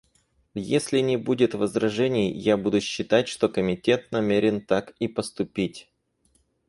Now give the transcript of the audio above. Если не будет возражений, я буду считать, что Комитет намерен так и поступить.